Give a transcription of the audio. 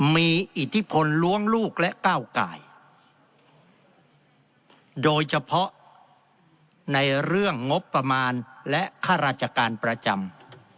มีอิทธิพลล้วงลูกและก้าวกายโดยเฉพาะในเรื่องงบประมาณและค่าราชการประจำ